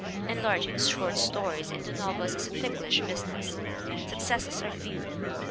Enlarging short stories into novels is a ticklish busi ness. Successes are few.